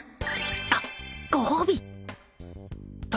あっご褒美対